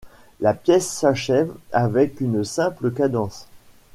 La pièce s'achève avec une simple cadence.